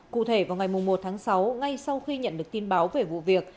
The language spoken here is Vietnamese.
cụ thể vào ngày một tháng sáu ngay sau khi nhận được tin báo về vụ việc